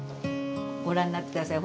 ご覧になって下さい。